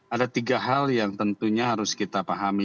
ada tiga hal yang tentunya harus kita pahami